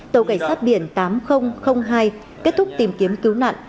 tàu cảnh sát biển tám nghìn hai kết thúc tìm kiếm cứu nạn